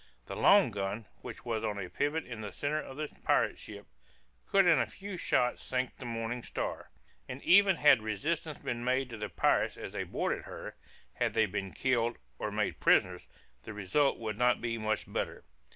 The long gun, which was on a pivot in the centre of the pirate ship, could in a few shots sink the Morning Star; and even had resistance been made to the pirates as they boarded her had they been killed or made prisoners the result would not be much better.